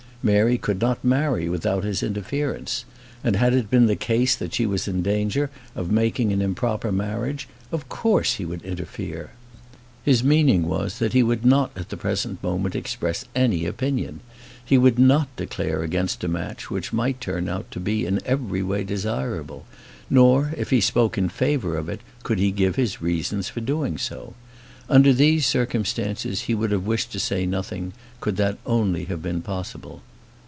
Mary could not marry without his interference; and had it been the case that she was in danger of making an improper marriage, of course he would interfere. His meaning was, that he would not at the present moment express any opinion; he would not declare against a match which might turn out to be in every way desirable; nor, if he spoke in favour of it, could he give his reasons for doing so. Under these circumstances, he would have wished to say nothing, could that only have been possible.